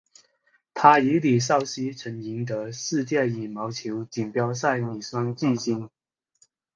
她与李绍希曾赢得世界羽毛球锦标赛女双季军。